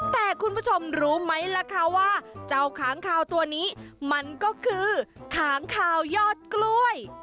แต่คุณผู้ชมรู้ไหมล่ะคะว่าเจ้าค้างคาวตัวนี้มันก็คือค้างคาวยอดกล้วย